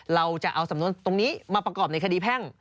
เราจะเอาสำนวนตรงนี้มาประกอบในคดีแพ่ง